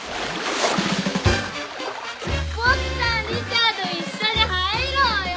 ボクちゃんリチャード一緒に入ろうよ！